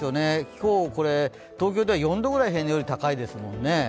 今日、東京では４度ぐらい平年より高いですもんね。